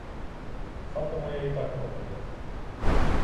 Хата моя і так пропаде.